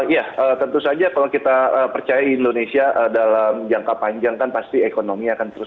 ya tentu saja kalau kita percaya indonesia dalam jangka panjang kan pasti ekonomi akan terus